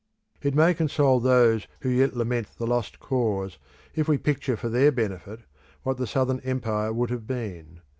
It may console those who yet lament the lost cause if we picture for their benefit what the Southern empire would have been.